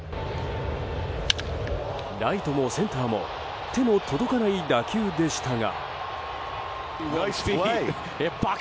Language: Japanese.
ライトもセンターも手も届かない打球でしたが。